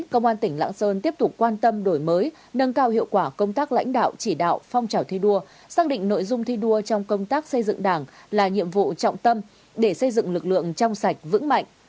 công an tỉnh lạng sơn tiếp tục quan tâm đổi mới nâng cao hiệu quả công tác lãnh đạo chỉ đạo phong trào thi đua xác định nội dung thi đua trong công tác xây dựng đảng là nhiệm vụ trọng tâm để xây dựng lực lượng trong sạch vững mạnh